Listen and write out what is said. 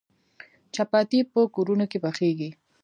چپاتي په کورونو کې پخیږي.